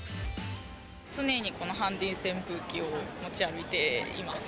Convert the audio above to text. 常にこのハンディ扇風機を持ち歩いています。